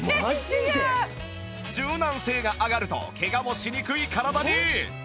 柔軟性が上がるとケガもしにくい体に